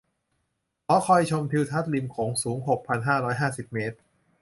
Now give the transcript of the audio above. หอคอยชมทิวทัศน์ริมโขงสูง หกพันห้าร้อยห้าสิบ เมตร